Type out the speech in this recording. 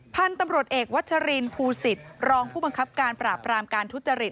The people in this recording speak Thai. พันธุ์ตำรวจเอกวัชรินภูสิตรองผู้บังคับการปราบรามการทุจริต